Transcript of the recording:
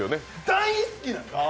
大好きなんです！